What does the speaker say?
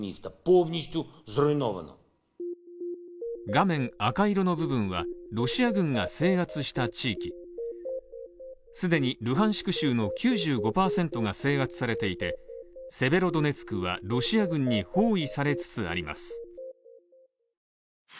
画面赤色の部分はロシア軍が制圧した地域既にルハンシク州の９５％が制圧されていて、セベロドネツクはロシア軍に包囲されつつあります。